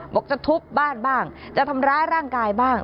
บอกจะทุบบ้านบ้างจะทำร้ายร่างกายบ้าง